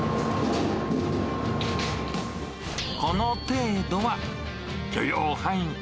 この程度は、許容範囲。